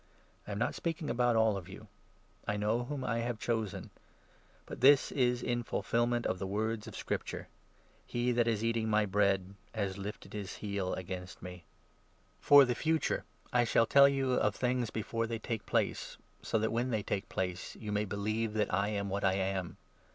I am not 18 speaking about all of you. I know whom I have chosen ; but this is in fulfilment of the words of Scripture —•'' He that is eating my bread has lifted his heel against me.' 18 Ps. 41. 9. H 194 JOHN, 13. For the future I shall tell you of things before they take place, 19 so that, when they take place, you may believe that I am what I am.